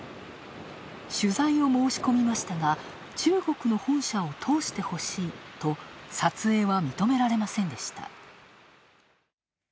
取材を申し込みましたが、中国の本社を通してほしいと撮影は認められませんでした。